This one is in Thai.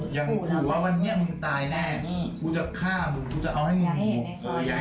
อย่างกลัวว่าวันนี้มึงตายแน่มึงจะฆ่ามึงมึงจะเอาให้มึงห่วง